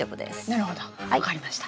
なるほど分かりました。